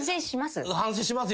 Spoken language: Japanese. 反省します？